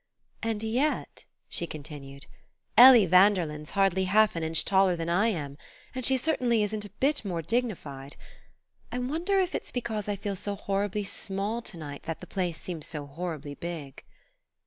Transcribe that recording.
"And yet," she continued, "Ellie Vanderlyn's hardly half an inch taller than I am; and she certainly isn't a bit more dignified.... I wonder if it's because I feel so horribly small to night that the place seems so horribly big."